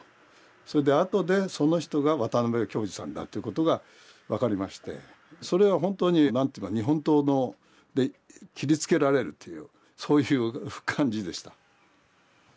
それで後でその人が渡辺京二さんだということが分かりましてそれは本当に何ていうか日本刀で斬りつけられるというそういう感じでした。